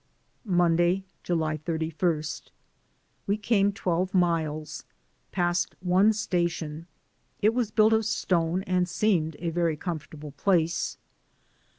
Monday, July 31. We came twelve miles, passed one station ; it was built of stone and seemed a very com fortable place.